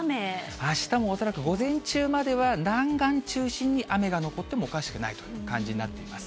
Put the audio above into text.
あしたも恐らく午前中までは、南岸を中心に雨が残ってもおかしくないという感じになっています。